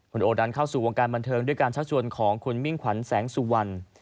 คุณโอดันเข้าสู่วงการบันเทิงด้วยการชักชวนของคุณมิ่งขวัญแสงสุวรรณ